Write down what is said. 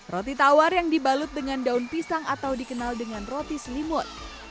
roti tawar yang dibalut dengan daun pisang atau dikenal dengan roti selimut